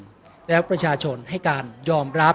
ก็ต้องทำอย่างที่บอกว่าช่องคุณวิชากำลังทำอยู่นั่นนะครับ